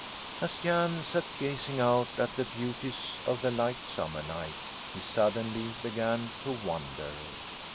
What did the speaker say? As Jan sat gazing out at the beauties of the light summer night he suddenly began to wonder.